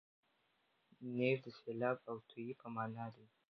نیز د سېلاب او توی په مانا دی.